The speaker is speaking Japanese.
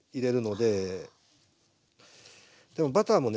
でもバターもね